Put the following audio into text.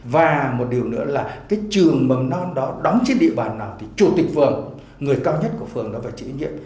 và một điều nữa là cái trường mầm non đó đóng trên địa bàn nào thì chủ tịch phường người cao nhất của phường đó phải chịu trách nhiệm